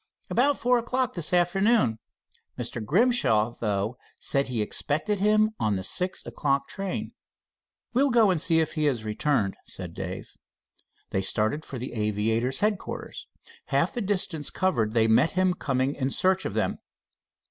"About four o'clock this afternoon. Mr. Grimshaw, though, said he expected him on the six o'clock train." "We'll go and see if he has returned," said Dave. They started for the aviator's headquarters. Half the distance covered, they met him coming in search of them.